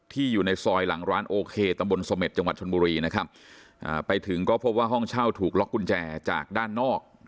อยู่ในซอยหลังร้านโอเคตำบลสเม็ดจังหวัดชนบุรีนะครับอ่าไปถึงก็พบว่าห้องเช่าถูกล็อกกุญแจจากด้านนอก